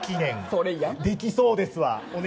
それやん、できそうですわ。